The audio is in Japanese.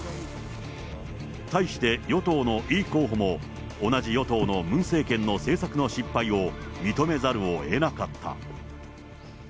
対して与党のイ候補も、同じ与党のムン政権の政策の失敗を認めざるをえなかった。